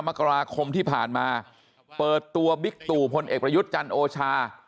มกราคมที่ผ่านมาเปิดตัวบิ๊กตู่พลเอกประยุทธ์จันทร์โอชา